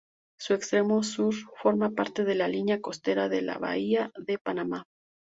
Su extremo sur forma parte de la línea costera de la bahía de Panamá.